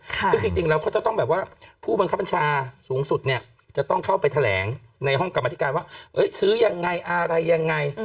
ซึ่งจริงแล้วเขาจะต้องแบบว่าผู้บังคับบัญชาสูงสุดเนี่ยจะต้องเข้าไปแถลงในห้องกรรมธิการว่าซื้อยังไงอะไรยังไง